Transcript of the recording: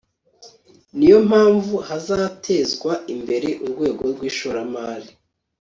niyo mpamvu, hazatezwa imbere urwego rw'ishoramari